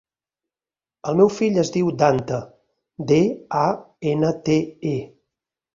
El meu fill es diu Dante: de, a, ena, te, e.